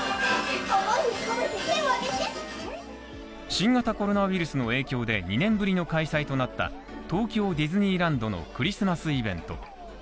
新型コロナウイルスの影響で２年ぶりの開催となった東京ディズニーランドのクリスマスイベント。